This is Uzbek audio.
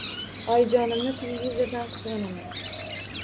Oyijonimni televizordan qizg`anaman